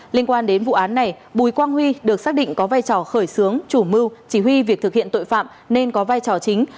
liên quan đến vụ án này bùi quang huy được xác định có vai trò khởi xướng chủ mưu chỉ huy việc thực hiện tội phạm nên có vai trò chính